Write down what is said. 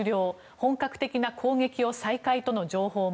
本格的な攻撃を再開との情報も。